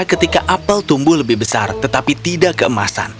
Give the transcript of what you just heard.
ketika apel tumbuh lebih besar tetapi tidak keemasan